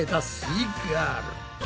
イガール。